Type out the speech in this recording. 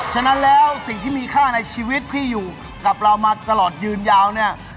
ฉะนั้นแล้วสิ่งที่มีค่าในชีวิตพี่อยู่กับเรามาตลอดยืนยาวเนี่ย